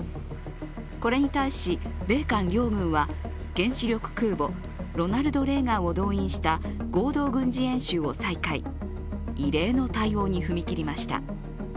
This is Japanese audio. これに対し米韓両軍は原子力空母「ロナルド・レーガン」を動員した合同軍事演習を再開、異例の対応に踏み切りました。